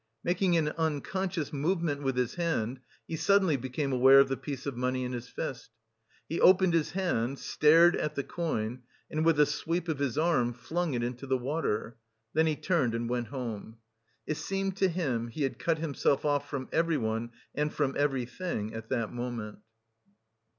Making an unconscious movement with his hand, he suddenly became aware of the piece of money in his fist. He opened his hand, stared at the coin, and with a sweep of his arm flung it into the water; then he turned and went home. It seemed to him, he had cut himself off from everyone and from everything at that moment.